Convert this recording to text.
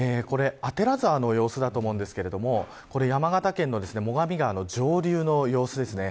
川の様子だと思うんですけど山形県の最上川の上流の様子です。